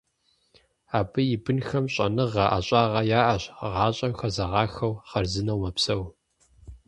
Абы и бынхэм щӀэныгъэ, ӀэщӀагъэ яӀэщ, гъащӀэм хэзэгъахэу хъарзынэу мэпсэу.